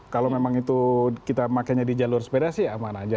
kalau memang itu kita makanya di jalur sepeda sih aman aja